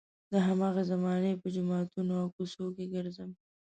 د هماغې زمانې په جوماتونو او کوڅو کې ګرځم.